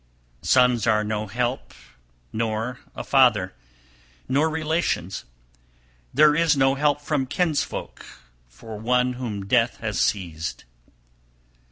288. Sons are no help, nor a father, nor relations; there is no help from kinsfolk for one whom death has seized.